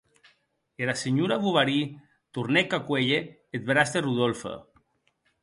Era senhora Bovary tornec a cuélher eth braç de Rodolphe.